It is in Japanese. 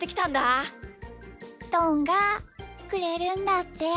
どんがくれるんだって。